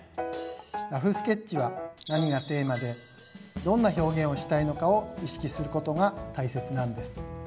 ラフスケッチは何がテーマでどんな表現をしたいのかを意識することがたいせつなんです。